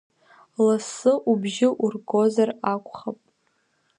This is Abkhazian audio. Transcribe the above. Лассы убжьы ургозар акәхап…